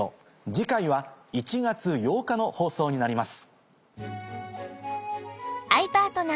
次回は１月８日の放送になります。